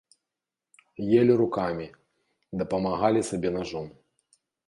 Елі рукамі, дапамагалі сабе нажом.